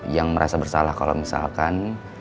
yang merasa bersalah kalau misalkan